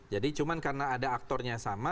jadi cuma karena ada aktornya sama